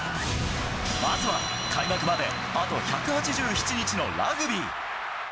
まずは開幕まであと１８７日のラグビー。